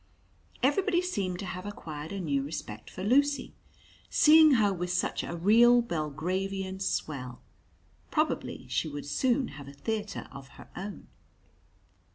Everybody seemed to have acquired a new respect for Lucy, seeing her with such a real Belgravian swell. Probably she would soon have a theatre of her own.